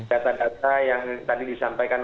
data data yang tadi disampaikan